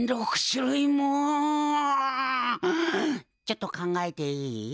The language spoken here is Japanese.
ちょっと考えていい？